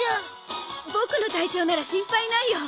ボクの体調なら心配ないよ。